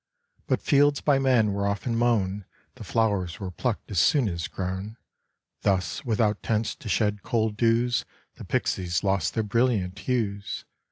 But fields by men were often mown, The flowers were plucked as soon as grown. Thus without tents to shed cold dews, The pixies lost their brilliant hues.